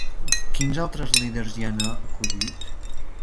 Quins altres líders hi han acudit?